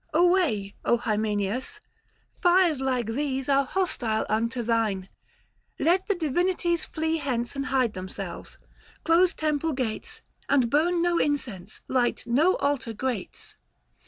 Away, Hymenaaus — fires like these Are hostile unto thine : Let the divinities [GOO Flee hence and hide themselves ; close Temple gates, And burn no incense, light no altar grates ; 54 THE FASTI. Book II.